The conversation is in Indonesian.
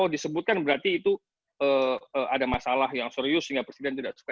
disebutkan berarti itu ada masalah yang serius sehingga presiden tidak suka